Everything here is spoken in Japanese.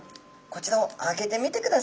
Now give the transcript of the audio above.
こちらを開けてみてください。